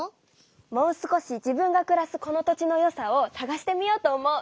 もう少し自分がくらすこの土地の良さをさがしてみようと思う！